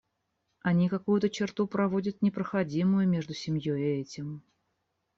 Они какую-то черту проводят непроходимую между семьей и этим.